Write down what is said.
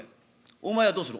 「お前はどうする？」。